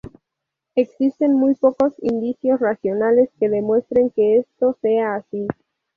Existen muy pocos indicios racionales que demuestren que esto sea así.